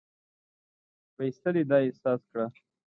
ویلسلي دا احساس کړه.